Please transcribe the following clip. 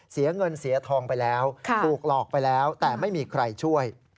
เสียเงินเสียทองไปแล้วถูกหลอกไปแล้วแต่ไม่มีใครช่วย